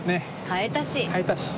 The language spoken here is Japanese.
買えたし。